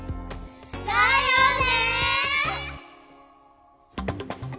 だよね。